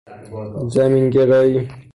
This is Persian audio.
زمین گرایی